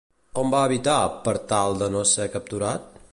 On va habitar, per tal de no ser capturat?